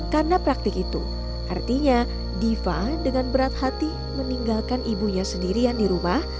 karena praktik itu artinya diva dengan berat hati meninggalkan ibunya sendirian di rumah